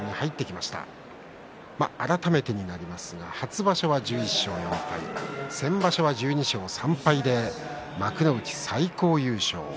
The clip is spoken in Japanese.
改めてになりますが、初場所は１１勝４敗、先場所は１２勝３敗幕内最高優勝。